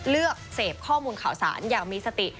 เลือกเสพข้อมูลข่าวสารอย่างมีสติ